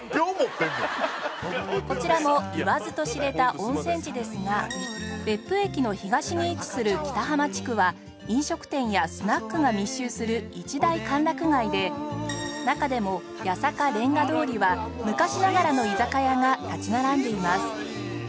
こちらも言わずと知れた温泉地ですが別府駅の東に位置する北浜地区は飲食店やスナックが密集する一大歓楽街で中でも八坂レンガ通りは昔ながらの居酒屋が立ち並んでいます